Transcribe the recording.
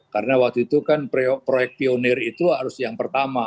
karena waktu itu kan proyek pionir itu harus yang pertama